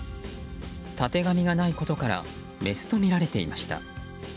たてがみがないことからメスとみられていました。